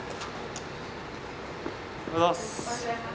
おはようございます。